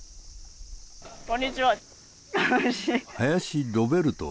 ・こんにちは。